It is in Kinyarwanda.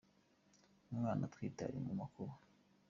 Umwana atwite ari mu makuba